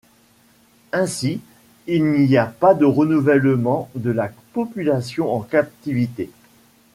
Ainsi, il n'y pas de renouvellement de la population en captivité.